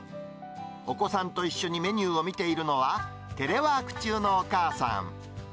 お子さんと一緒にメニューを見ているのは、テレワーク中のお母さん。